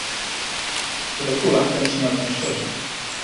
"Co do króla, ten śmiał się szczerze."